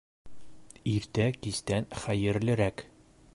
Иртә кистән хәйерлерәк.